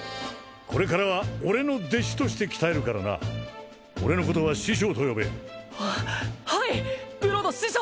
これからは俺の弟子として鍛えるからな俺のことは師匠と呼べはいブロド師匠！